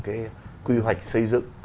cái quy hoạch xây dựng